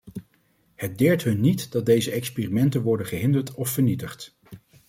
Het deert hun niet dat deze experimenten worden gehinderd of vernietigd.